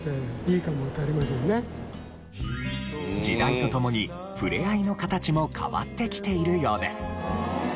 時代と共にふれあいの形も変わってきているようです。